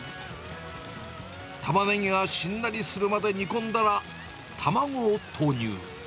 タマネギがしんなりするまで煮込んだら、卵を投入。